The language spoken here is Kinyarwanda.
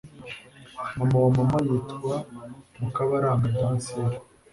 mama wa mama yitwa mukabaranga dansila